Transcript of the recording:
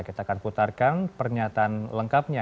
kita akan putarkan pernyataan lengkapnya